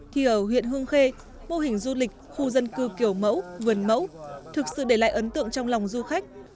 thì ở huyện hương khê mô hình du lịch khu dân cư kiểu mẫu vườn mẫu thực sự để lại ấn tượng trong lòng du khách